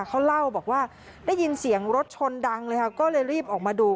เขาเล่าบอกว่าได้ยินเสียงรถชนดังเลยค่ะก็เลยรีบออกมาดู